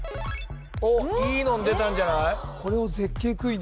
おっいいのん出たんじゃない？